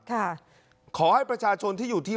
ขอให้ประชาชนที่อยู่ที่